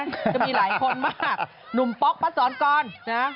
จะมีหลายคนมากหนุ่มป๊อกป้าสอนกรนะ